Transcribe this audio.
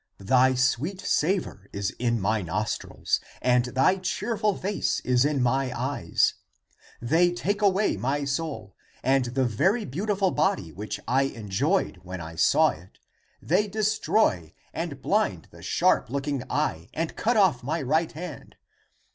Thy sweet savor is in my nostrils and thy cheerful face is in my eyes. They take away my soul, and the very beautiful body which I enjoyed when I saw it, they destroy and blind the sharp looking eye and ACTS OF THOMAS 32 1 cut off my right hand.